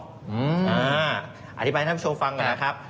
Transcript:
อธิบายให้ท่านผู้ชมฟังนะครับ